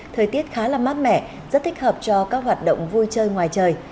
thời tiết khá là mát mẻ rất thích hợp cho các hoạt động vui chơi ngoài trời